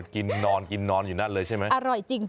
กินนอนกินนอนอยู่นั่นเลยใช่ไหมอร่อยจริง